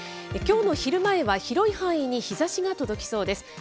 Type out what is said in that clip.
きょうの昼前は広い範囲に日ざしが届きそうです。